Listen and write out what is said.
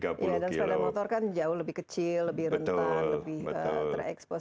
ya dan sepeda motor kan jauh lebih kecil lebih rentan lebih terekspos